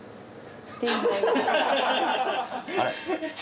あれ？